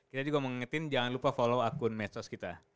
kita juga mengetin jangan lupa follow akun medsos kita